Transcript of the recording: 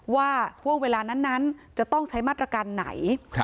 ห่วงเวลานั้นจะต้องใช้มาตรการไหน